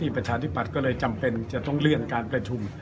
ประชาธิปัตย์ก็เลยจำเป็นจะต้องเลื่อนการประชุม